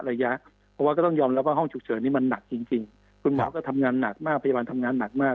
เพราะว่าก็ต้องยอมรับว่าห้องฉุกเฉินนี้มันหนักจริงคุณหมอก็ทำงานหนักมากพยาบาลทำงานหนักมาก